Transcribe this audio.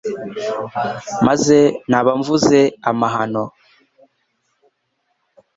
maze naba mvuze amahoro